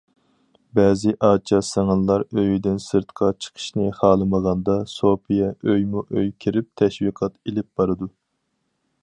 بەزى ئاچا- سىڭىللار ئۆيدىن سىرتقا چىقىشنى خالىمىغاندا، سوپىيە ئۆيمۇ- ئۆي كىرىپ تەشۋىقات ئېلىپ بارىدۇ.